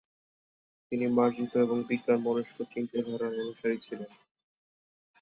তিনি মার্জিত এবং বিজ্ঞানমনস্ক চিন্তাধারার অনুসারী ছিলেন।